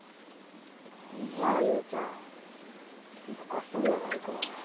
何や雄ちゃんけんかしとるやないか。